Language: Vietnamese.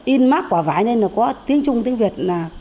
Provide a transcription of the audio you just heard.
inmark quả vải nên là có tiếng trung tiếng việt là